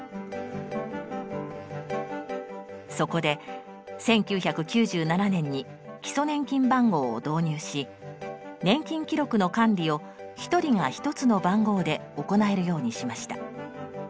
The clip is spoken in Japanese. そこで１９９７年に基礎年金番号を導入し年金記録の管理を１人が１つの番号で行えるようにしました。